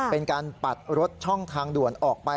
เป็นการปัดรถช่องทางด่วนออกไป